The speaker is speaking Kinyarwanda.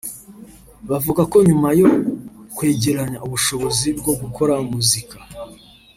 bavuga ko nyuma yo kwegeranya ubushobozi bwo gukora muzika